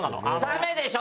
ダメでしょ？